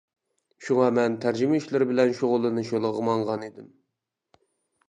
شۇڭا مەن تەرجىمە ئىشلىرى بىلەن شۇغۇللىنىش يولىغا ماڭغان ئىدىم.